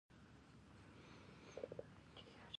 شعر او ادب په افغانستان کې څه ځای لري؟